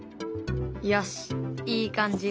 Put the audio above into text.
よしいい感じ。